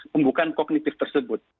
pembukaan kognitif tersebut